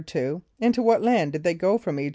= Into what land did they go from [=E]´[.